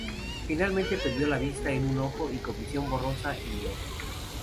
Finalmente perdió la vista en un ojo y con visión borrosa en el otro.